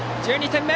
１２点目！